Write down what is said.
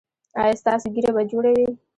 ایا ستاسو ږیره به جوړه وي؟